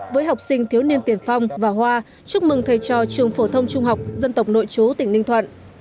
với học sinh thiếu niên tiền phong và hoa chúc mừng thầy trò trường phổ thông trung học dân tộc nội chú tỉnh ninh thuận